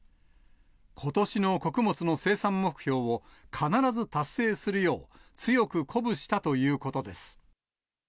ことしの穀物の生産目標を、必ず達成するよう、強く鼓舞したということです。